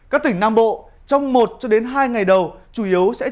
các tỉnh nam bộ trong một cho đến hai ngày đầu